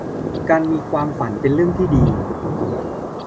การมีความฝันเป็นเรื่องที่ดี